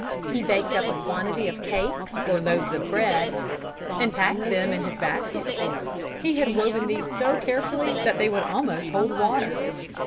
He baked up a quantity of cakes or loaves of bread and packed them in his baskets. He had woven these so carefully that they would almost hold water.